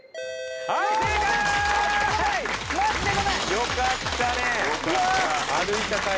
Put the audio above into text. よかったね！